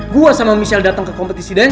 gue sama michelle datang ke kompetisi dance